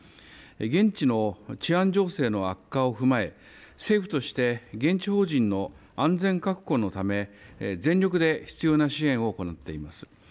現地の治安情勢の悪化を踏まえ政府として現地邦人の安全確保のため全力で必要な支援を行っています。